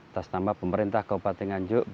atas nama pemerintah kabupaten nganjuk